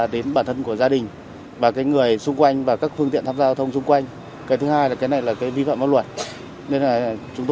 đ unloadació ca khá th hyunny xinh